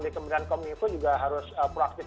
di kemudian komunikasi juga harus proaktif